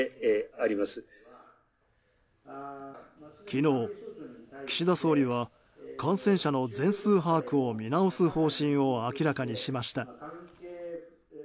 昨日、岸田総理は感染者の全数把握を見直す方針を明らかにしました。